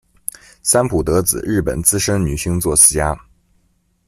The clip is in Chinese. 三浦德子，日本资深女性作词家。